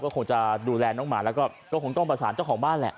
ก็คงจะดูแลน้องหมาแล้วก็คงต้องประสานเจ้าของบ้านแหละ